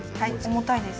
重たいです。